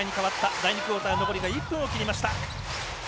第２クオーター残り１分を切りました。